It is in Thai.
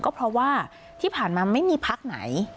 ก็เพราะว่าที่ผ่านมาไม่มีพักไหน